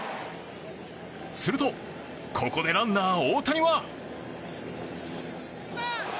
するとここでランナー大谷は。